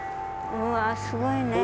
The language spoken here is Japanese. うわすごいね。